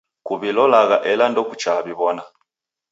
Kuw'ilolagha ela ndokuchaa w'iw'ona.